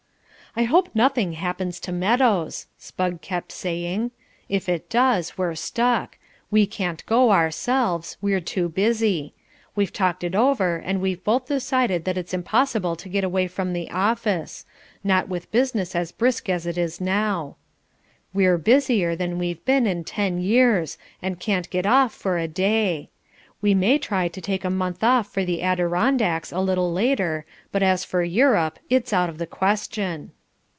"I hope nothing happens to Meadows," Spugg kept saying. "If it does, we're stuck. We can't go ourselves. We're too busy. We've talked it over and we've both decided that it's impossible to get away from the office, not with business as brisk as it is now. We're busier than we've been in ten years and can't get off for a day. We may try to take a month off for the Adirondacks a little later but as for Europe, it's out of the question."